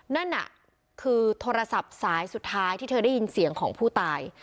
นั่นน่ะคือโทรศัพท์สายสุดท้ายที่เธอได้ยินเสียงของผู้ตาย